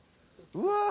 うわ！